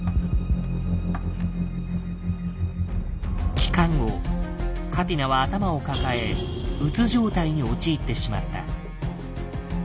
帰還後カティナは頭を抱え「うつ状態」に陥ってしまった。